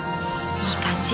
いい感じ！